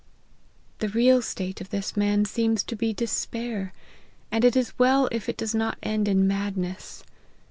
" The real state of this man seems to be despair, and it is well if it do not end in madness.